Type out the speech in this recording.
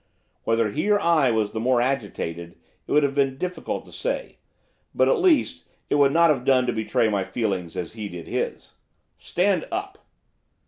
Whether he or I was the more agitated it would have been difficult to say, but, at least, it would not have done to betray my feelings as he did his. 'Stand up!